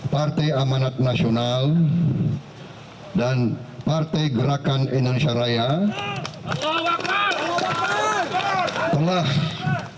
partai amanat nasional dan partai gapat menteri dan partai keadaan sejahtera yang diperhatikan ini adalah partai keadilan sejahtera partai amanat nasional dan partai gapat menteri dan partai keadilan sejahtera